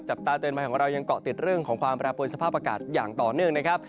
ตาเตือนภัยของเรายังเกาะติดเรื่องของความแปรปวนสภาพอากาศอย่างต่อเนื่องนะครับ